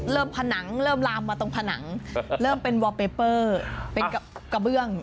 ผนังเริ่มลามมาตรงผนังเริ่มเป็นวอลเปเปอร์เป็นกระเบื้อง